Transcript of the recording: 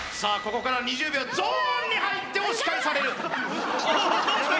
ここから２０秒ゾーンに入って押し返されるおおどうした？